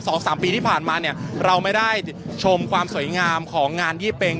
สองสามปีที่ผ่านมาเนี่ยเราไม่ได้ชมความสวยงามของงานยี่เป็ง